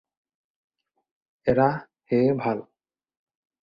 এৰা সেয়ে ভাল।